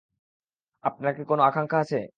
আপনার কি কোন আকাংখা আছে?